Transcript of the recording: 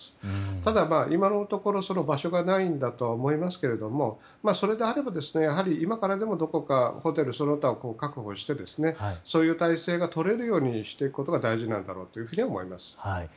ただ、今のところ場所がないんだとは思いますがそれであれば、今からでもどこかホテル、その他を確保してそういう体制がとれるようにしておくことが大事なんだろうと思います。